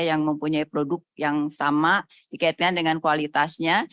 yang mempunyai produk yang sama dikaitkan dengan kualitasnya